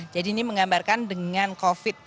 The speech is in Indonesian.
jadi ini menggambarkan dengan covid